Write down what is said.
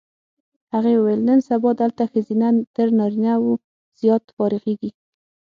هغې وویل نن سبا دلته ښځینه تر نارینه و زیات فارغېږي.